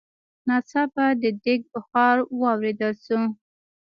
ناڅاپه د ديګ بخار واورېدل شو.